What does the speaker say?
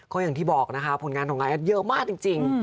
ก็อย่างที่บอกนะคะผลงานของนายแอดเยอะมากจริง